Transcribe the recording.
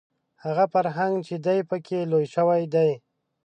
هغه فرهنګ چې دی په کې لوی شوی دی